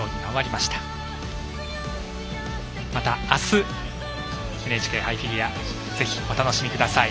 また明日ＮＨＫ杯フィギュアをぜひお楽しみください。